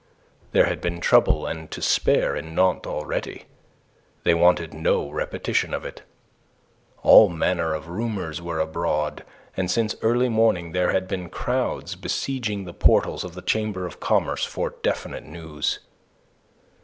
There had been trouble and to spare in Nantes already. They wanted no repetition of it. All manner of rumours were abroad, and since early morning there had been crowds besieging the portals of the Chamber of Commerce for definite news.